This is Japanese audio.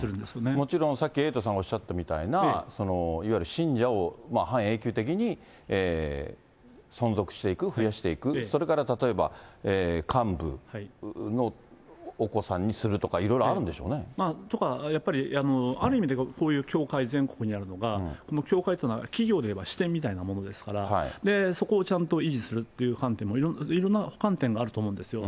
もちろんさっきエイトさんがおっしゃったみたいな、いわゆる信者を半永久的に存続していく、増やしていく、それから例えば、幹部のお子さんにするとか、いろいろあるんでしょうね。とか、やっぱり、ある意味で教会全国にあるのが、教会というのは企業でいえば支店みたいなものですから、そこをちゃんと維持するという観点も、いろんな観点があると思うんですよ。